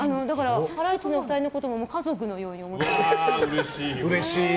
ハライチのお二人のことも家族のように思ってらっしゃる。